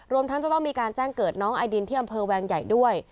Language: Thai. รวมทั้งจะต้องมีการแจ้งเกิดน้องไอดินที่อำเภอแวงใหญ่ด้วย